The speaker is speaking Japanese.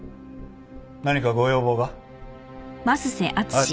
何かご要望が？あっ。